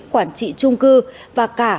quản trị trung cư và cả